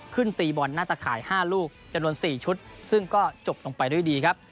ตีบอลหน้าตะข่าย๕ลูกจำนวน๔ชุดซึ่งก็จบลงไปด้วยดีครับ